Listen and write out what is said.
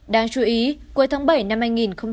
đáng chú ý cuối tháng bảy năm hai nghìn một mươi hai